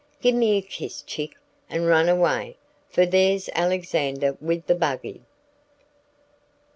Give me a kiss, Chick, and run away, for there's Alexander with the buggy."